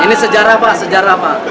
ini sejarah pak sejarah pak